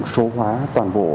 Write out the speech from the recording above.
số hóa toàn bộ